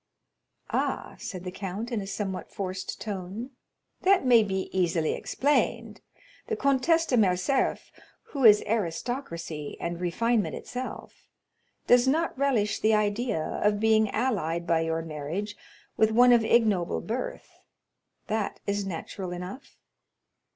30107m "Ah," said the count, in a somewhat forced tone, "that may be easily explained; the Comtesse de Morcerf, who is aristocracy and refinement itself, does not relish the idea of being allied by your marriage with one of ignoble birth; that is natural enough."